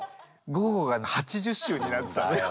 午後が８０周になってたのよ。